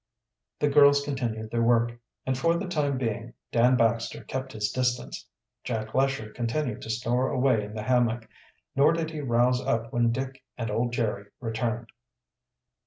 The girls continued their work, and for the time being Dan Baxter kept his distance. Jack Lesher continued to snore away in the hammock, nor did he rouse up when Dick and old Jerry returned.